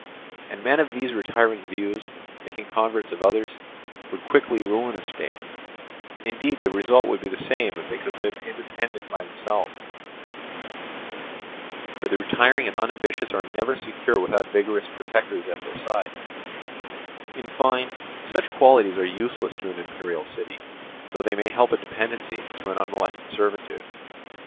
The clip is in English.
And men of these retiring views, making converts of others, would quickly ruin a state; indeed the result would be the same if they could live independent by themselves; for the retiring and unambitious are never secure without vigorous protectors at their side; in fine, such qualities are useless to an imperial city, though they may help a dependency to an unmolested servitude.